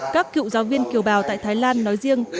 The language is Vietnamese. các cựu giáo viên kiều bào tại thái lan nói riêng